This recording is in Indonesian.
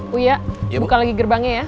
puya buka lagi gerbangnya ya